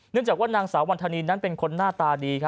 เนื่องจากว่านางสาววรรษณีย์นั้นเป็นคนหน้าตาดี